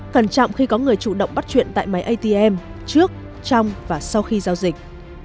cẩn trọng khi có người chủ động bắt truyện tại máy atm trước trong và sau khi giao dịch